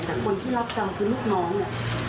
แต่คนที่รับจำคือนุกน้องน่ะ